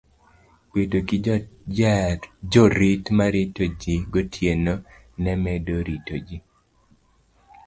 Bedo gi jorit ma rito ji gotieno ne medo rito ji